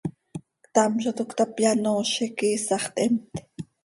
Ctam zo toc cötap, yanoozic, iisax theemt.